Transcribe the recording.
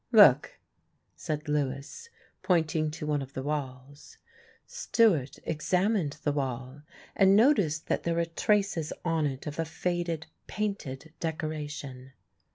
"Look," said Lewis, pointing to one of the walls. Stewart examined the wall and noticed that there were traces on it of a faded painted decoration.